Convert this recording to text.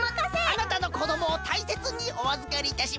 あなたのこどもをたいせつにおあずかりいたします。